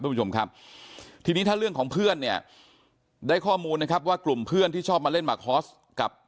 ผู้ชมครับทีนี้ถ้าเรื่องของเพื่อนเนี่ยได้ข้อมูลนะครับว่ากลุ่มเพื่อนที่ชอบมาเล่นหมักฮอสกับ